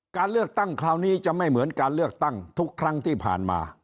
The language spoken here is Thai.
การเลือกตั้งคราวนี้จะไม่เหมือนการเลือกตั้งทุกครั้งที่ผ่านมา